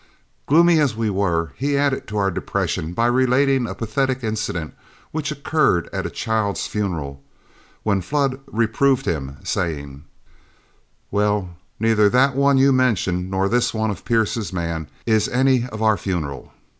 Gloomy as we were, he added to our depression by relating a pathetic incident which occurred at a child's funeral, when Flood reproved him, saying, "Well, neither that one you mention, nor this one of Pierce's man is any of our funeral.